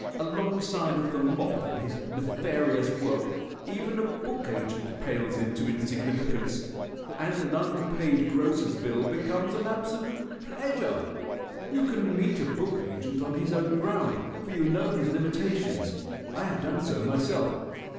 Alongside of the moth and his nefarious work even a book agent pales into insignificance, and an unpaid grocer's bill becomes an absolute pleasure. You can meet a book agent on his own ground, for you know his limitations. I have done so myself.